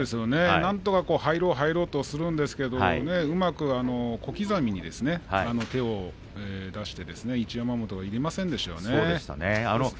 なんとか入ろう入ろうとするんですが小刻みに手を出して一山本が入れませんでしたね。